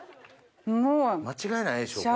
間違いないでしょこれ。